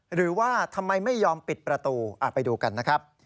หรือว่าทำไมไม่ยอมปิดประตูไปดูกันนะครับ